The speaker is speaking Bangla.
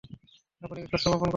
আপনি কী শস্য বপন করেছেন?